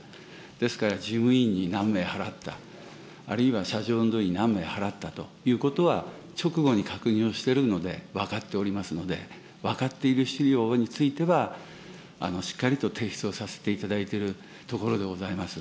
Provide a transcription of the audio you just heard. ですから、事務員に何名払った、あるいは車上運動員に何名払ったとか、直後に確認をしているので分かっておりますので、分かっている資料については、しっかりと提出をさせていただいてるところでございます。